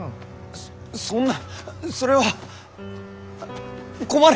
そそんなそれは困る！